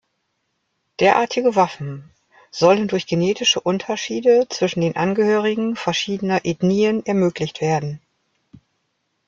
Derartige Waffen sollen durch genetische Unterschiede zwischen den Angehörigen verschiedener Ethnien ermöglicht werden.